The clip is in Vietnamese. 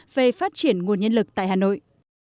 về phát triển nguồn nhân lực tại hà nội